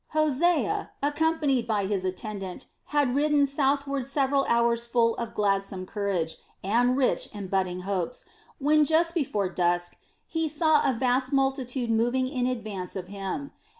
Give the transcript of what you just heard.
Hosea, accompanied by his attendant, had ridden southward several hours full of gladsome courage and rich in budding hopes, when just before dusk he saw a vast multitude moving in advance of him.